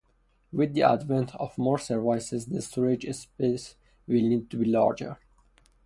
With the advent of more services, the storage space will need to be larger.